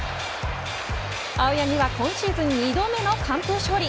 青柳は今シーズン２度目の完封勝利。